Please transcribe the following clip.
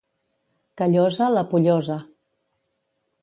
Callosa, la pollosa.